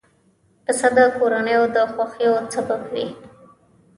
پسه د کورنیو د خوښیو سبب وي.